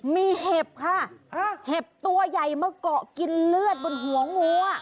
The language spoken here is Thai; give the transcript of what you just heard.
มีเห็บค่ะเห็บตัวใหญ่มาเกาะกินเลือดบนหัวงูอ่ะ